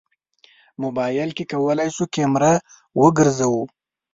موبایل کې کولی شو کمره وګرځوو.